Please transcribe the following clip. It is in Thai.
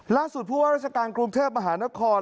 ผู้ว่าราชการกรุงเทพมหานคร